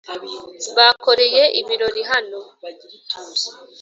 Bakoreye ibirori hano